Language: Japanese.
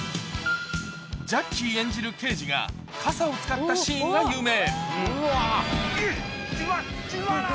ジャッキー演じる刑事が、傘を使ったシーンが有名。